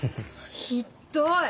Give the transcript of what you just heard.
ひっどい！